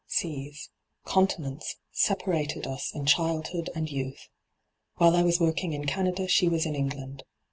Seaa, continents, separated us in childhood and youth. While I was working in Canada she was in England.